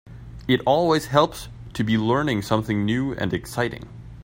It always helps to be learning something new and exciting.